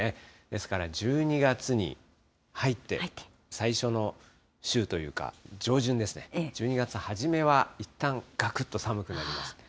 ですから１２月に入って最初の週というか、上旬ですね、１２月初めはいったん、がくっと寒くなります。